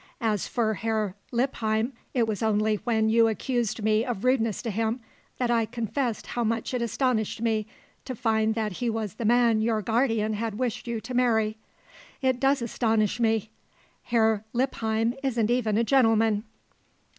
As for Herr Lippheim, it was only when you accused me of rudeness to him that I confessed how much it astonished me to find that he was the man your guardian had wished you to marry. It does astonish me. Herr Lippheim isn't even a gentleman."